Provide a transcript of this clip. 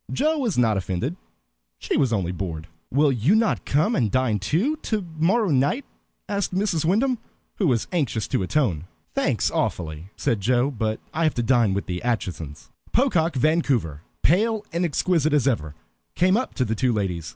Joe was not offended; she was only bored. "Will you not come and dine too, to morrow night?" asked Mrs. Wyndham, who was anxious to atone. "Thanks, awfully," said Joe, "but I have to dine with the Aitchisons." Pocock Vancouver, pale and exquisite as ever, came up to the two ladies.